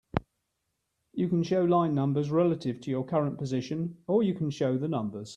You can show line numbers relative to your current position, or you can show the numbers.